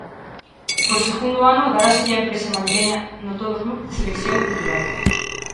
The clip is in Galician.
Por segundo ano daráselle á empresa madrileña Notodo Club de Selección Cultural.